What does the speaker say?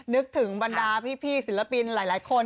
นึกถึงบรรดาพี่ศิลปินหลายคน